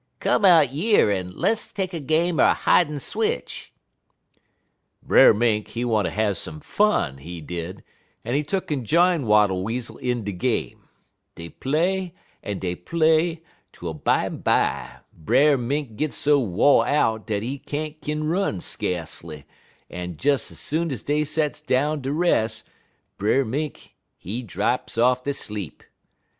Come out yer en less take a game er hidin' switch.' "Brer Mink, he wanter have some fun, he did, en he tuck'n jine Wattle Weasel in de game. Dey play en dey play twel, bimeby, Brer Mink git so wo' out dat he ain't kin run, skacely, en des soon ez dey sets down ter res', Brer Mink, he draps off ter sleep.